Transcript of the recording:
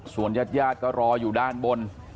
ส่วนญาติก็รออยู่ด้านบน